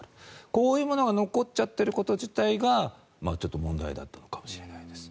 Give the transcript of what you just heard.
こういうものが残っちゃってること自体がちょっと問題だったのかもしれないです。